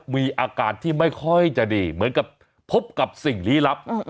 มีอาการที่ไม่ค่อยจะดีเหมือนกับพบกับสิ่งลี้ลับ